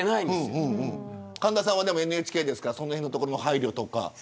神田さんはＮＨＫですからそのへんの配慮とか。